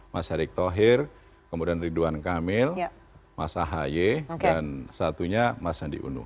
mas erick thohir kemudian ridwan kamil mas ahy dan satunya mas sandi uno